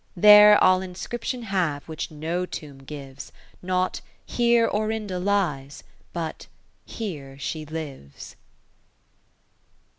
20 There I'll inscription have which no tomb gives, Not, Here Orinda lies, but. Here she lives.